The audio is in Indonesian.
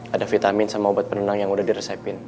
ada vitamin sama obat penenang yang udah diresepin